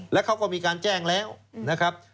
แล้วเขาก็มีการแจ้งแล้วนะครับ